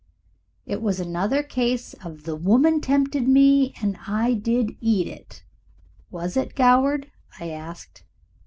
"It was another case of 'the woman tempted me and I did eat,' was it, Goward?" I asked.